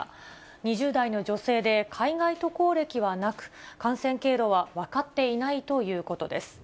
２０代の女性で、海外渡航歴はなく、感染経路は分かっていないということです。